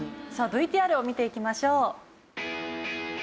さあＶＴＲを見ていきましょう。